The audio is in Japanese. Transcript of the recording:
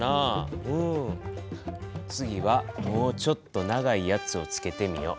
次はもうちょっと長いやつをつけてみよう。